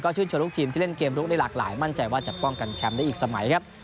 ชื่นชมทุกทีมที่เล่นเกมลุกได้หลากหลายมั่นใจว่าจะป้องกันแชมป์ได้อีกสมัยครับ